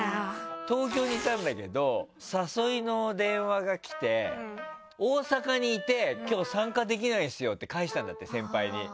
東京にいたんだけど誘いの電話が来て大阪にいて今日参加できないんですよって返したんだって、先輩に。